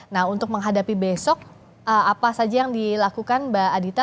nah untuk menghadapi besok apa saja yang dilakukan mbak adita